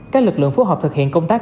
các lực lượng phù hợp thực hiện công tác